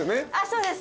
そうです。